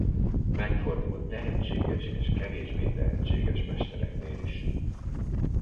Megfordult tehetséges és kevésbé tehetséges mestereknél is.